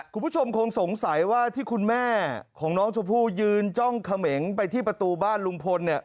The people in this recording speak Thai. คุณผู้ชมคงสงสัยว่าที่คุณแม่ของน้องชมพู่ยืนจ้องเขมงไปที่ประตูบ้านลุงพลเนี่ย